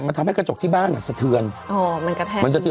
มันทำให้กระจกที่บ้านอ่ะสะเทือนอ๋อมันกระแทกมันสะเทือ